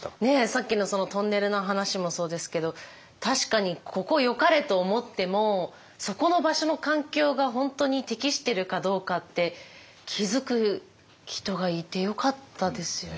さっきのトンネルの話もそうですけど確かにここよかれと思ってもそこの場所の環境が本当に適してるかどうかって気付く人がいてよかったですよね。